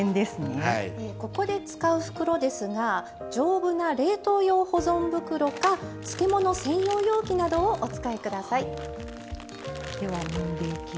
ここで使う袋ですが丈夫な冷凍用保存袋か漬物専用容器などをお使いください。